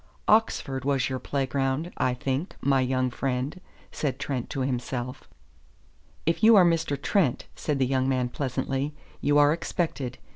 "Oxford was your playground, I think, my young friend," said Trent to himself. "If you are Mr. Trent," said the young man pleasantly, "you are expected. Mr.